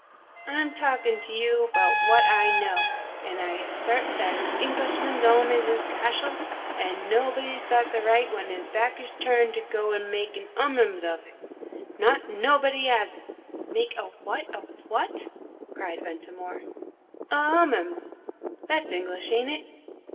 "I'm talking to you about what I know, and I assert that an Englishman's 'ome is his cashle, and nobody's got the right when his backsh turned to go and make a 'Ummums of it. Not nobody 'asn't!" "Make a what of it?" cried Ventimore. "A 'Ummums that's English, ain't it?